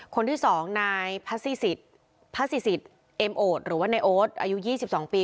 คนที่๒นายพระศิษย์เอ็มโอดหรือว่านายโอ๊ตอายุ๒๒ปี